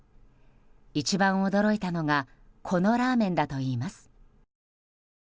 一番驚いたのがこのラーメンだといいます。